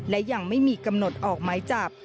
และยังไม่มีกำหนดออกไม้จับ